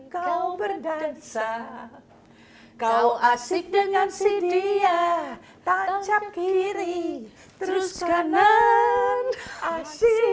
kau berdansa kau asik dengan si dia tancap kiri terus kanan asik